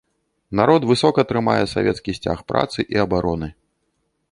Народ высока трымае савецкі сцяг працы і абароны.